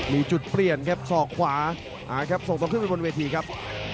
มีจุดเปลี่ยนครับศอกขวาครับส่งตรงขึ้นไปบนเวทีครับ